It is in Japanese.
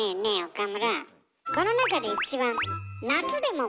岡村。